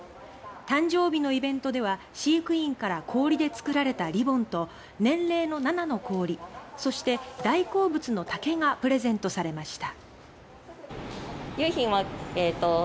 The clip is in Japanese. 誕生日のイベントでは飼育員から氷で作られたリボンと年齢の「７」の氷そして大好物の竹がプレゼントされました。